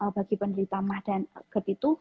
bagi penderita mah dan gerd itu